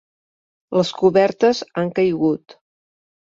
Les cobertes han caigut.